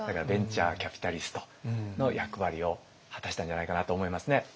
ベンチャーキャピタリストの役割を果たしたんじゃないかなと思いますね。